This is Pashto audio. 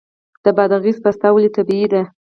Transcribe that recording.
د بادغیس پسته ولې طبیعي ده؟